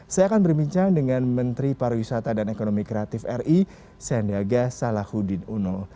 saya akan berbincang dengan menteri pariwisata dan ekonomi kreatif ri sandiaga salahuddin uno